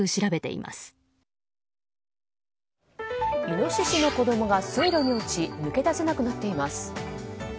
イノシシの子供が水路に落ち抜け出せなくなっています。